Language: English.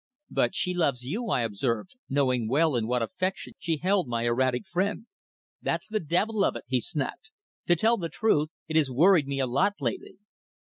"But she loves you," I observed, knowing well in what affection she held my erratic friend. "That's the devil of it!" he snapped. "To tell the truth, it has worried me a lot lately."